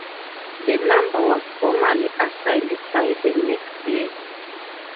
The number was formally assigned by the next year.